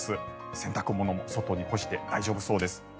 洗濯物も外に干して大丈夫そうです。